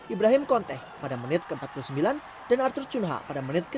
ibrahim konteh pada menit ke empat puluh sembilan dan arthur cunha pada menit ke tiga puluh